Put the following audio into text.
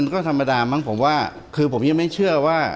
ก็ธรรมดามั้งผมว่าคือผมยังไม่เชื่อว่า